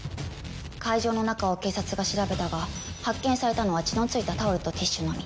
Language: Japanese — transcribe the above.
会場の中を警察が調べたが発見されたのは血のついたタオルとティッシュのみ。